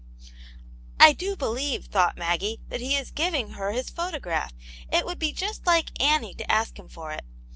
" I do believe," thought Maggie, " that he is giving her his photograph! It would be just like Annie to ask him for it."